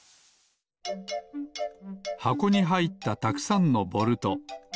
はこにはいったたくさんのボルト。